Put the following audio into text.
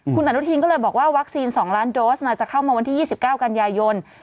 คุณอนุทินก็เลยบอกว่าวัคซีน๒ล้านโดสจะเข้ามาวันที่๒๙กันยายน